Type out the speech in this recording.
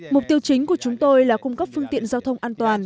mục tiêu chính của chúng tôi là cung cấp phương tiện giao thông an toàn